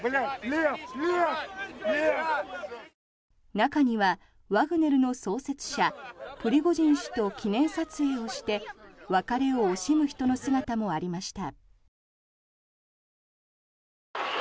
中には、ワグネルの創設者プリゴジン氏と記念撮影をして別れを惜しむ人の姿もありました。